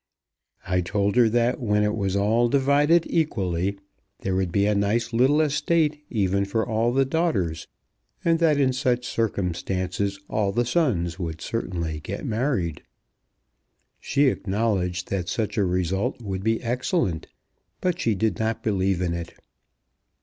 I told her that when it was all divided equally there would be a nice little estate even for all the daughters, and that in such circumstances all the sons would certainly get married. She acknowledged that such a result would be excellent, but she did not believe in it.